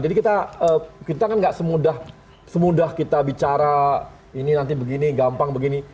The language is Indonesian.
jadi kita kan nggak semudah kita bicara ini nanti begini gampang begini